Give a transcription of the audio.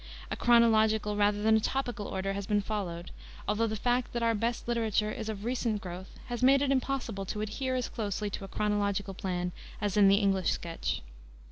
A chronological rather than a topical order has been followed, although the fact that our best literature is of recent growth has made it impossible to adhere as closely to a chronological plan as in the English sketch.